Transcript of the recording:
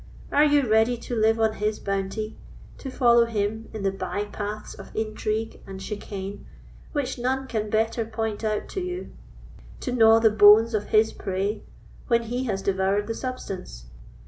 Are you ready to live on his bounty; to follow him in the bye paths of intrigue and chicane, which none can better point out to you; to gnaw the bones of his prey when he has devoured the substance?